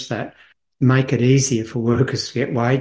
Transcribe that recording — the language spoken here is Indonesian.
membuatnya lebih mudah untuk pekerja mendapatkan peningkatan wajah